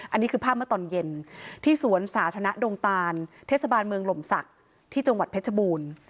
อันนี้คือภาพเมื่อตอนเย็นที่สวนสาธารณะดงตานเทศบาลเมืองหล่มศักดิ์ที่จังหวัดเพชรบูรณ์